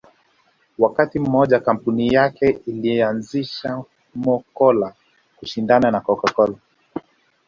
Wakati mmoja kampuni yake ilianzisha Mo Cola kushindana na Coca Cola